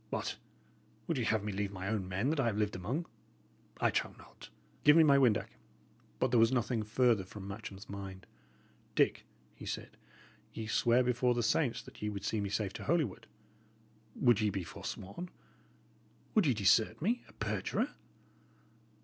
What! would ye have me leave my own men that I have lived among. I trow not! Give me my windac." But there was nothing further from Matcham's mind. "Dick," he said, "ye sware before the saints that ye would see me safe to Holywood. Would ye be forsworn? Would you desert me a perjurer?"